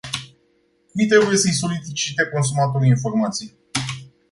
Cui trebuie să-i solicite consumatorul informații?